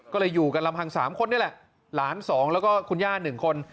ก็เลยอยู่กันลำหังสามคนนี่แหละหลานสองแล้วก็คุณย่าหนึ่งคน